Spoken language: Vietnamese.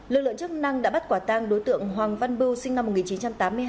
lực lượng chức năng đã bắt quả tang đối tượng hoàng văn bưu sinh năm một nghìn chín trăm tám mươi hai